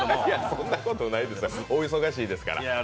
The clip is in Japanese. そんなことないですよ、お忙しいですから。